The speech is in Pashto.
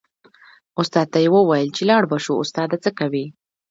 استاد ته یې و ویل چې لاړ به شو استاده څه کوې.